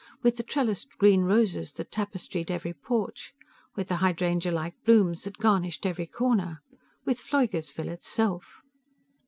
With the trellised green roses that tapestried every porch. With the hydrangealike blooms that garnished every corner. With Pfleugersville itself.